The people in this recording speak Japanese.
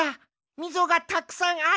みぞがたくさんある！